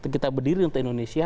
kita berdiri untuk indonesia